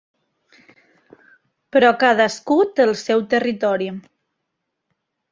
Però cadascú té el seu territori.